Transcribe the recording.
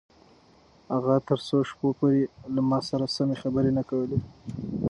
اغا تر څو شپو پورې له ما سره سمې خبرې نه کولې.